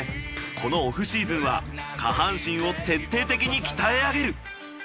このオフシーズンは下半身を徹底的に鍛え上げる。